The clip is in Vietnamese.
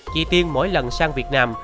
chị tiên mỗi lần sang việt nam